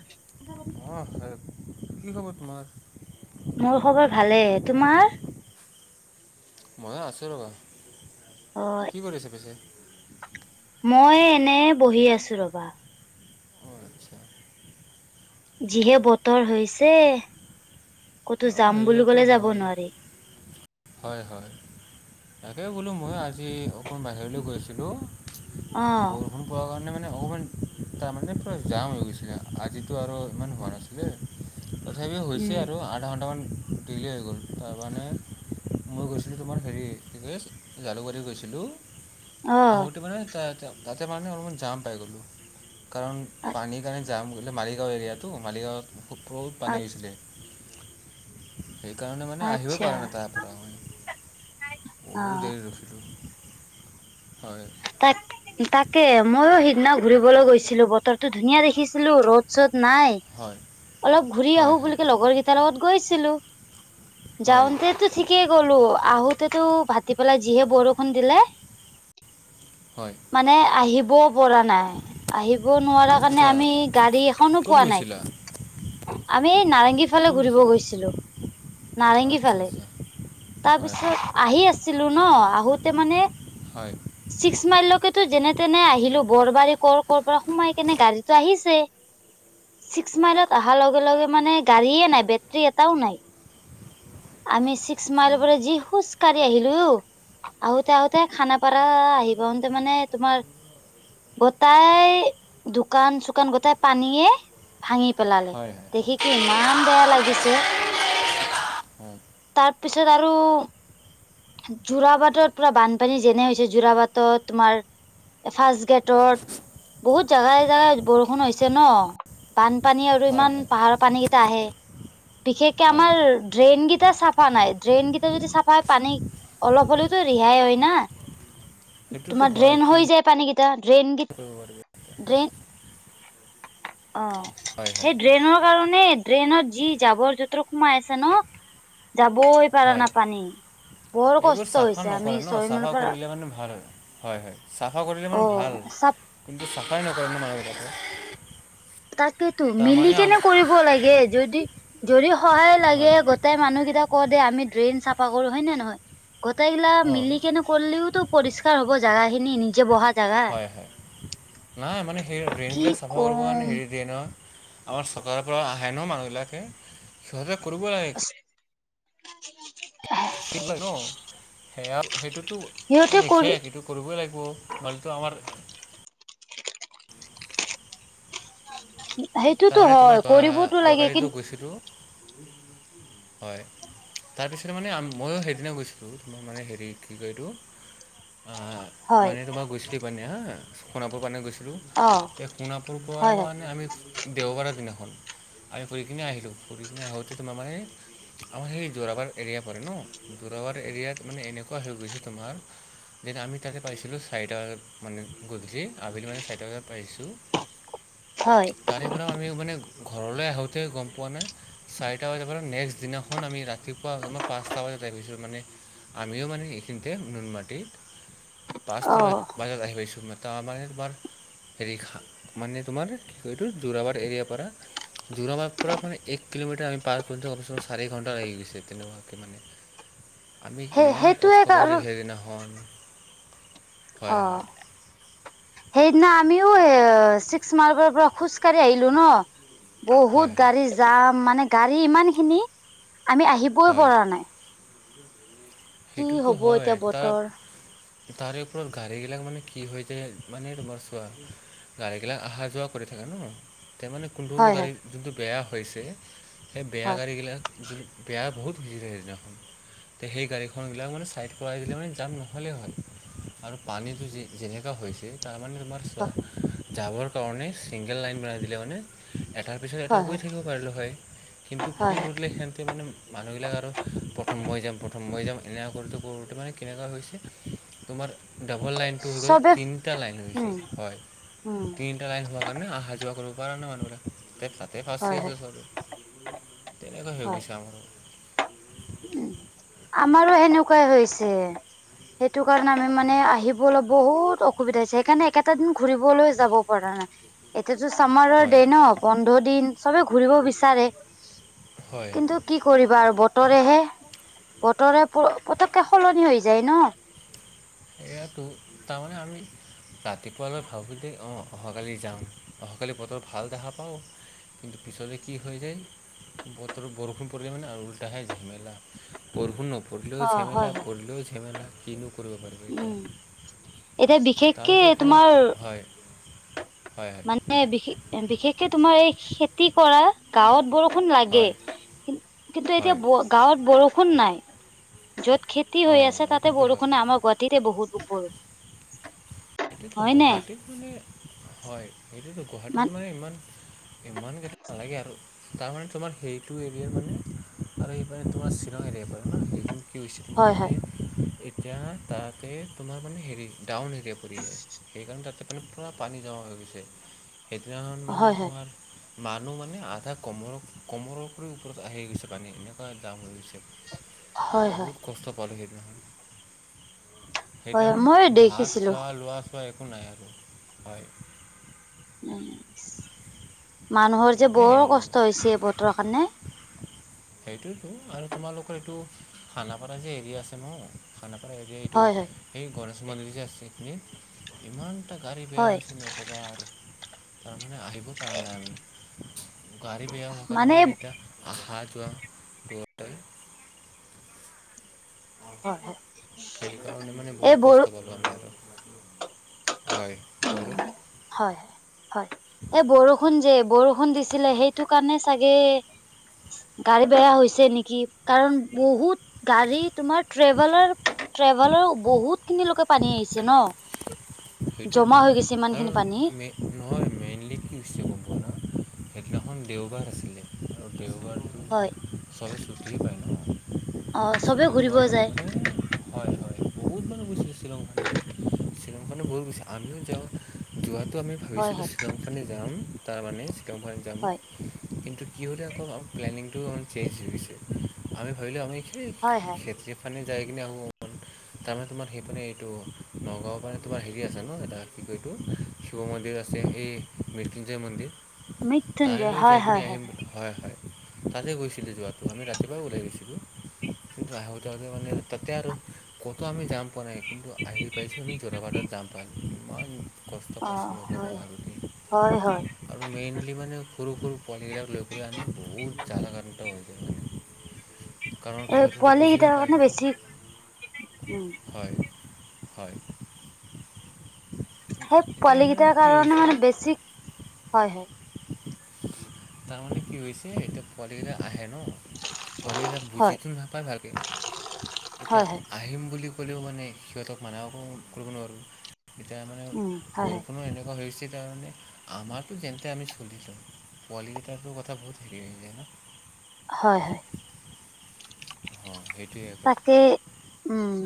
[unintelligible] অঁ হয় কি খবৰ তোমাৰ? মোৰ খবৰ ভালে তোমাৰ? মইয়ো আছোঁ ৰ'বা। হয়। কি কৰি আছে পিছে? মই এনে বহি আছো ৰবা। অ আচছা [unintelligible] যিহে বতৰ হৈছে কতো অঁ যাম বুলি হেৰিয়াতো কলে যাব হয় নোৱাৰি হয় হয় তাকে বোলো মই আজি অকণ বাহিৰলৈ গৈছিলোঁ। অ ফোন পোৱাৰ কাৰণে মানে অকণমান তাৰমানে পূৰা জাম হৈ গৈছিলে আজিতো আৰু ইমান হোৱা নাছিলে। তথাপি উম। হৈছে আৰু আধা ঘণ্টামান দিলেই হৈ গ'ল তাৰমানে মই গৈছিলোঁ তোমাৰ হেৰি কি কয় জালুকবাৰী গৈছিলোঁ। আহ অ', স মান তাতে মানে অলপমান জাম পাই গ'লো কাৰণ পানীৰ কাৰণে যাম মালিগাঁও এৰিয়াটো মালিগাঁৱত ফুটত পানী হৈছিলে। সেইকাৰণে মানে আহিবও আ-আ-আচ্ছা পৰা নাই তাৰপ [unintelligible] বহুত অ', দেৰি ৰখিলোঁ হয়। তাত। তাকে ময়ো সিদিনা ঘুৰিবলৈ গৈছিলোঁ, বতৰটো ধুনীয়া দেখিছিলোঁ ৰ'দ-চ'দ নাই। অলপ ঘূৰি আহোঁ বুলি কে লগৰ কেইটাৰ লগত গৈছিলোঁ, যাওঁতেতো ঠিকেই গ'লোঁ, আহোঁতেতো ভাতিবেলা যিহে বৰষুণ দিলে। হয়। মানে আহিবওঁ পৰা নাই। আহিব নোৱাৰা কাৰণে আচ্ছা আমি গাড়ী এখনো ক'ত পোৱা নাই। গৈছিলা আমি এই নাৰেংগী ফালে ক'ত ঘূৰিব গৈছিলা গৈছিলোঁ, নাৰেংগী আচ্ছা ফালে। আচ্ছা তাৰ হয় পিছত আহি আছিলোঁ ন, আহোতে মানে হয়। ছিক্স মাইললৈকেতো যেনে তেনে আহিলোঁ, বৰবাৰী ক'ৰ, ক'ৰ পৰা সোমাই কেনে গাড়ীতো আহিছে। ছিক্স মাইলত অহাৰ লগে, লগে মানে গাড়ীয়েই নাই, বেটৰী এটাও নাই। আমি ছিক্স মাইল অঁ পৰা যি খোজ কাঢ়ি আহিলোঁ। আহোতে, আহোতে খানাপাৰা আহিব পাওঁতে মানে তোমাৰ গোটাই, দোকান-চুকান গোটাই পানীয়ে ভাঙি পেলালে হয় হয় দেখি কি ইমান বেয়া লাগিছে। হয়। তাৰপিছত আৰু যোৰাবাটত পুৰা বানপানী যেনে হৈছে যোৰাবাট। ত তোমাৰ ফাৰ্ষ্ট গেটত। বহুত জাগাই, জাগাই বৰষুণ হৈছে ন। বানপানী আৰু হয় ইমান হয় পাহাৰৰ পানী কেইটা আহে, বিশেষকে হয় আমাৰ ড্ৰেইনকেইটা চাফা নাই, ড্ৰেইন কেইটা যদি চাফা হয়, পানী অলপ হ'লেওঁতো ৰেহাই হয় না। সেইটোতো তোমাৰ হয় ড্ৰেইন কি হৈ যায় পানী কেইটা, ড্ৰেইন ক কৰিব পাৰিব ড্ৰেইন, অ', হয় হয় সেই ড্ৰেইনৰ কাৰণে ড্ৰেইনত যি জাবৰ জতৰ সোমাই আছে ন। যাবই পাৰা হয় নাই পানী। বৰ এইবোৰ কষ্ট চাফা হৈছে আমি নকৰে ন, ছয় মানৰ চাফা পৰা কৰিলে মানে ভাল হয়। হয়, হয় চাফা কৰিলে অ মানে ভাল, চাপ কিন্তু চাফাই নকৰে নহয় মানুহ বিলাকেওঁ। তাকেতো মিলি কেনে কৰিব লাগে, যদি, যদি সহায় হয় লাগে গোটাই মানুহকেইটাক কওঁ দে আমি ড্ৰেইন চাফা কৰোঁ হয় নে নহয়, গোটেই গিলাক অঁ মিলি কেনেক কৰলিওতো পৰিষ্কাৰ হ'ব জেগাখিনি নিজে বহাত হয়, হয় নাই মানে সেই ড্ৰেইন কি বিলাক চাফা কম কৰিবৰ কাৰণে হেৰি দিয়ে ন, আমাৰ চৰকাৰৰ পৰা আহে ন, মানুহবিলাকে সহযোগ কৰিব লাগে। কি- [unintelligible] [unintelligible] ন, সেয়া সেইটোতো সিহঁতে কৰি নিখেট। কৰিবই লাগিব, নহ'লে আমাৰ সেইটোতো তাৰমানে তোমাৰ হয়, যোৱা কৰিবতো লাগে, কিন্তু [unintelligible] [inaudible] হয়, তাৰপিছতে মানে ময়ো সেইদিনা গৈছিলোঁ, তোমাৰ মানে হেৰি, কি কয় এইটো? অ', হয় মানে তোমাৰ গৈছিলোঁ মানে হা, সুনাপুৰ পিনে গৈছিলোঁ। অ সেই সোণাপুৰ পৰা হয় মানে আমি দেওবাৰৰ দিনাখন। আমি ফুৰি কিনে আহিলোঁ, ফুৰি কিনে আহোঁতে তোমাৰ মানে আমাৰ সেই যোৰাবাট এৰিয়া পৰে ন, যোৰাবাট এৰিয়াত মানে এনেকুৱা হৈ গৈছে তোমাৰ দেন আমি তাতে পাইছিলোঁ চাৰিটা বজাত, মানে গধূলি। আবেলি মানে চাৰিটা বজাত পাইছোঁ। হয়। তাৰে পৰা আমি মানে, ঘৰলৈ আহোতে গম পোৱা নাই। চাৰিটা বজাৰ পৰা নেক্সট দিনাখন আমি ৰাতিপুৱাৰ পাঁচটা বজাত আহিছোঁ। মানে আমিও মানে এইখিনিতে নুনমাটিত। পাঁচটা অ বাজা-বাজাত আহি পাইছোঁ। তাৰমানে তোমাৰ হেৰি খা মানে, তোমাৰ এইটো যোৰাবাট এৰিয়াৰ পৰা। যোৰাবাট পৰা মানে, এক কিলোমিটাৰ আমি পাৰ কৰিওঁ কমচে কম চাৰি ঘণ্টা লাগি গৈছে তেনেকোৱাকে মানে। [unintelligible] আমি সেই ইমান সেইটোৱে কষ্ট পাইছোঁ কাৰণ সেইদিনাখন। হয় অহ। হয় সেইদিনা আমিও এ চিক্স মাৰ্বৰ পৰা খোজকাঢ়ি আহিলোঁ ন'। বহুত হয় হয় গাড়ী জাম, মানে গাড়ী ইমানখিনি আমি আহিবই হয় পৰা নাই। কি সেইটোতো হব হয়, এতিয়া তাত বতৰ তাৰে ওপৰত গাড়ীগিলাক মানে কি হৈ যায়, মানে তোমাৰ চোৱা। গাড়ীগিলাক অহা যোৱা কৰি থাকে ন' তে মানে কোনটো-কোনটো হয় গাড়ী হয় যোনটো বেয়া হৈছে, সেই বেয়া হয় গাড়ীগিলাক যোন [unintelligible] তে সেই গাড়ীখন সোনবিলাক মানে চাইড কৰাই দিলে মানে জাম নহ'লেই হ'ল। আৰু পানীটো যে-যেনেকা হৈছে তাৰমানে তোমাৰ চোৱা, হয় যাবৰ কাৰণে চিংগল লাইন বনাই দিলে মানে এটাৰ পিছত এটা হয় গৈ হয় থাকিব পাৰিলোঁ হয়, কিন্তু কি হয় হয় কৰিলে সেহেন্তে মানে মানুহবিলাক আৰু প্ৰথম মই যাম, প্ৰথম মই যাম, এনেকুৱা কৰোঁতে-কৰোঁতে মানে কেনেকুৱা হৈছে তোমাৰ ডাবল লাইনটো হৈ গ'ল চবে তিনটা লাইন হৈছে উম হয়। উম তিন তিনটা লাইন হোৱাৰ কাৰণে আহা যোৱা কৰিব পাৰা নাই মানুহবিলাক। তে তাতে ফাঁচি হয় আছে হয় চবে, তেনেকৈ হৈ গৈছে আমাৰো। উম, আমাৰো সেনেকোৱাই হৈছে। সেইটো কাৰণে আমি মানে আহিবলৈ বহুত অসুবিধা হৈছে। সেইকাৰণে এইকেটা দিন ঘুৰিবলৈ যাব পৰা নাই, এতিয়াতো চামাৰৰ হয় দে ন' বন্ধৰ দিন, চবে ঘুৰিব বিচাৰে। হয় কিন্তু কি কৰিবা আৰু বতৰ বতৰহে, বতৰে পতককে সলনি হৈ যায় ন'। এয়াতো, তাৰমানে আমি ৰাতিপুৱালৈ ভাবোঁ দেই অহ, অহাকালি যাম। অহাকালি বতৰ ভাল দেখা পাওঁ। কিন্তু পিছতে কি হৈ যায়, বতৰ বৰষুণ পৰিলে মানে আৰু উল্টাহে ঝেমেলা। বৰষুণ নপৰিলেও অ ঝেমেলা, হয় হয়। পৰিলেও ঝেমেলা কিনো কৰিব পাৰিম। উম এতিয়া [unintelligible] তাৰ বিশেষকে ওপৰত তোমাৰ হয়। হয় হয় মানে বিশেষ-বিশেষকে তোমাৰ এই খেতি কৰা। গাঁৱত বৰষুণ লাগে, হয় কিন্তু এতিয়া হয় ব গাঁৱত বৰষুণ নাই, য'ত খেতি হৈ অঁ আছে তাতে এইটোতো হয় বৰষুণে আমাৰ গুৱাহা গুৱাহাটীতে বহুত ওপৰত। এইটো গুৱাহাটীত মানে হয়, এইটোতো গুৱাহাটীত মান মানে ইমান ইমানকেইটা নালাগে আৰু তাৰমানে তোমাৰ সেইটো এৰিয়াৰ মানে আৰু এইপাৰে তোমাৰ শিলং এৰিয়াৰ পৰে ন' এইটো। কি হৈছে, তোমাৰ হয় মানে হয় এতিয়া তাতে তোমাৰ মানে হেৰি ডাউন এৰিয়া। পৰি যায়, সেইকাৰণে তাতে মানে পুৰা পানী জমা হৈ গৈছে। সেইদিনাখন মানে হয় হয় তোমাৰ মানুহ মানে আধা কমৰ কমৰৰ ওপৰত আহি গৈছে পানী এনেকুৱা জাম হৈ গৈছে! হয়, হয়! বহুত কষ্ট পালোঁ সেইদিনাখন হয় সেইদিনাখন মই ভাত দেখিছিলো। খোৱা লোৱা চোৱা একো নাই আৰু হয়! উম মানুহৰ যে বৰ কষ্ট হৈছে বতৰৰ কাৰণে সেইটোতো আৰু তোমালোকৰ এইটো খানাপাৰা যে এৰি আছে নহয় খানাপাৰা এ যে এইটো হয় হয়। সেই গনেশ মন্দিৰ যে আছে এইখিনি ইমান টা গাড়ী বেয়া হৈ হয় হৈছে ন ক'বা আৰু তাৰ মানে আহিব পাৰা নাই আমি গাড়ী বেয়া হোৱাৰ কাৰণে মানে এতিয়া আহা যোৱা [unintelligible] হয়, হয়! সেইকাৰণে মানে এই বহুত বৰ কষ্ট পালোঁ আমি আৰু হয়, কোৱাচোন! হয়! হয়! এই বৰষুণ যে বৰষুণ দিছিলে সেইটো কাৰণে চাগে গাড়ী বেয়া হৈছে নিকি কাৰণ বহুত গাড়ী তোমাৰ ট্ৰেভেলৃৰ, ট্ৰেভেলাৰ বহুতখিনি লৈকে পানী আহিছে ন জমা সেইটোতো হৈ গৈছে ইমান আৰু খিনি পানী মে নহয় মেইনলি কি হৈছিলে জানা সেইদিনাখন দেওবাৰ আছিলে আৰু দেওবাৰ হয় চবে ছুটি পায় অ ন চবে ছুটি ঘূৰিব পোৱাৰ যায় মানে হয় হয় বহুত মানুহ গৈছিলে শ্বিলংফালে মানুহ বহুত গৈছে আমিও যাওঁ যোৱাটো আমি হয় ভাবিছিলোঁ হয় শ্বিলং ফালে যাম তাৰমানে [unintelligible] যে আমি হয় কিন্তু কি হ'লে আকৌ প্লেনিংটো চেঞ্জ হৈ গৈছে আমি ভাবিলোঁ আমি সেই হয় হয় [unintelligible] যায় কিনে আকৌ তাৰমানে তোমাৰ সেইপিনে এইটো নগাঁৱৰ মানে তোমাৰ হেৰি আছা ন এটা কি কয় এইটো শিৱ মন্দিৰ আছে এ মৃত্যুঞ্জয় মন্দিৰ মৃত্যুঞ্জয় তাইলৈ হয় যাই কিনে হয় হয় আহিম বুলি হয়, হয়! তাতে গৈছিলো যোৱাটো আমি ৰাতিপুৱাও ওলাই গৈছিলোঁ কিন্তু আহোতে আহোতে মানে তাতে আৰু ক'তো আমি যাম পোৱা নাই কিন্তু আহি পাইছোঁ আমি জোৰাবাটত যাম পাই গলো ইমান কষ্ট অ পাইছো নকবা হয় আৰু হয় হয় আৰু মেইনলি মানে সৰু সৰু পোৱালিগিলাক লৈ কৰি আনে বহুত জ্বালা খালো ত [unintelligible] এই পোৱালিগিটাৰ কাৰনে বেছি উম হয় হয় সেই তিয়া পোৱালি মানে কেইটাৰ কি কাৰণে হৈছে মানে বেছি হয় হয় তাৰমানে কি হৈছে এতিয়া পোৱালিগিটা আহে ন পোৱালিগিটা হয় বুজিটো নাপায় ভালাকে এতিয়া হয় হয় আহিম বুলি ক'লেও মানে সিহঁতক মানাও কৰিব নোৱাৰোঁ এতিয়া মানে উম হয় হয় বৰষুণো এনেকুৱা হৈছে তাৰমানে আমাৰতো যেনতেন আমি চলি যাম পোৱালীগিটাৰটো কথা বহুত হেৰি হৈ যায় ন হয় হয় অ সেইটোৱে কথা কে উম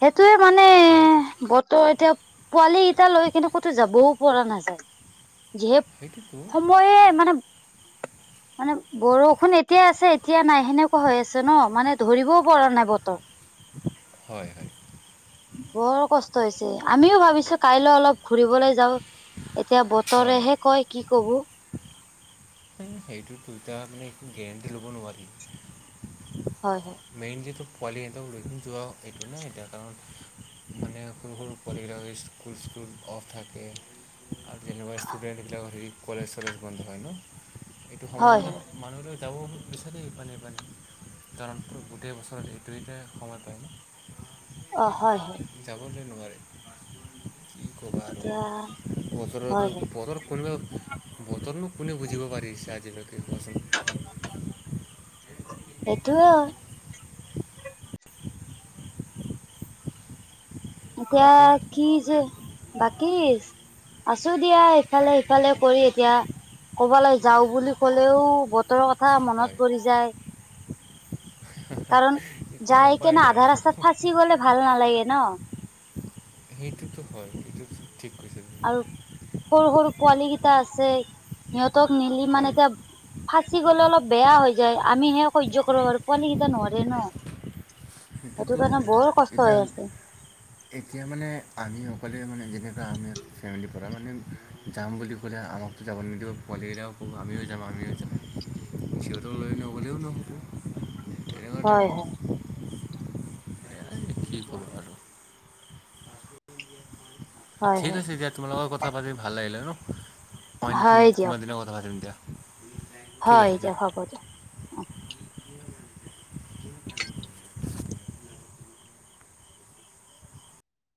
সেইটোয়ে মানে হয় বতৰ এতিয়া পোৱালি কেইটা লৈ কিন্তু ক'তো যাবও পৰা নাযায় সেইটোতো যিহে মই এ মানে মানে বৰষুণ এতিয়া আছে এতিয়া নাই সেনেকুৱা হৈ আছে ন, মানে ধৰিব পৰা নাই বতৰ। হয় হয় বৰ কষ্ট হৈছে। আমিও ভাবিছো কাইলৈ অলপ ঘুৰিবলৈ যাওঁ, এতিয়া হয় বতৰেহে কয় কি কব। সেই সেইটো দুয়টা মানে একো গেৰেণ্টি ল'ব নোৱাৰি। হয় হয়। মেইনলি পোৱালি হঁতক ৰহি যোৱা এইটো নাই এতিয়া কাৰণ। মানে সৰু সৰু পোৱালি কেইটা স্কুল স্কুল অফ থাকে। আৰু তেনেকুৱা ষ্টুডেণ্টবিলাকৰ হেৰি কলেজ চলেজ বন্ধ হয় ন, এইটো হয় সময়ত হয় মানে মানুহলৈ যাব বিচাৰে পানে পানে। কাৰণ গোটেই বছৰত এইটোয়েতে সময় পায় ন। অঁ হয় হয়। যাবলৈ নোৱাৰে, কি ক'বা আৰু এতিয়া বছৰতো হয় হয় বতৰ ৰক বতৰনো কোনে বুজিব পাৰিছে আজিলৈকে কোৱাচোন? সেইটোয়ে। [inaudible] এতিয়া বাকী কি যে বাকি আছো দিয়া ইফালে সিফালে কৰি এতিয়া কব লাগে যাও বুলি কলেও ব তৰৰ কথা মনত হয় পৰি যায়। কাৰণ এতিয়া যাই উপায় কেনে নাই আধা আৰু। ৰাস্তাত ফাঁচি গলে ভাল নালাগে ন সেইটোতো হয়, সেইটো ঠিক কৈছে। তুমি আৰু সৰু সৰু পোৱালি কেইটা আছে, সিহঁতক নিলি মানে হয় এতিয়া ফাঁচি গ'লে অলপ বেয়া হৈ যায়, আমি হে সহ্য কৰিব পাৰো আৰু পোৱালি কেইটা নোৱৰে ন। সেইটো সেইটোত কাৰণে হয়, বৰ কষ্ট হৈ এতিয়া আছে এতিয়া মানে আমি অকলে মানে যেনেকুৱা আমি ফেমিলিৰ পৰা মানে যাম বুলি ক'লে আমাকতো যাব নিদিব পোৱালিকিটাকো আমিও যাম আমিও যাম। সিহঁতক লৈ নগলেও নহব তেনে হয় সে কি কৰোঁ আৰু। হয় ঠিক হয় আছে দিয়া তোমাৰ লগত কথা পাতি ভাল লাগিলে ন, অইন কোনো হয় দিয়ক কোনোবা দিনা কথা পাতিম দিয়া। ঠিক হয়, আছে এতিয়া হব দিয়া।